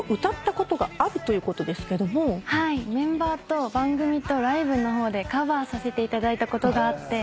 メンバーと番組とライブの方でカバーさせていただいたことがあって。